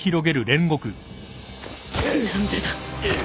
何でだ